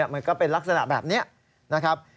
มันก็เป็นลักษณะแบบนี้นะครับ